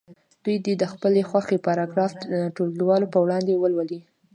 دوی دې د خپلې خوښې پاراګراف ټولګیوالو په وړاندې ولولي.